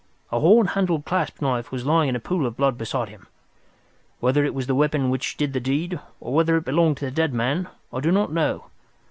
A horn handled clasp knife was lying in a pool of blood beside him. Whether it was the weapon which did the deed, or whether it belonged to the dead man, I do not know.